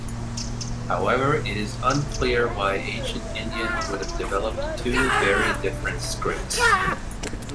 However, it is unclear why ancient Indians would have developed two very different scripts.